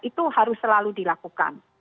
itu harus selalu dilakukan